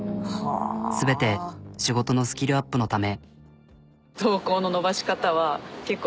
全て仕事のスキルアップのため。